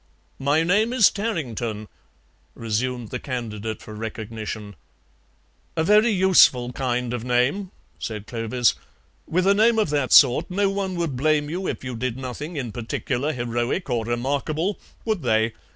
"My name is Tarrington," resumed the candidate for recognition. "A very useful kind of name," said Clovis; "with a name of that sort no one would blame you if you did nothing in particular heroic or remarkable, would they?